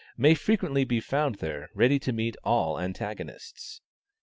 may frequently be found there, ready to meet all antagonists.